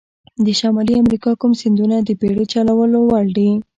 د شمالي امریکا کوم سیندونه د بېړۍ چلولو وړ دي؟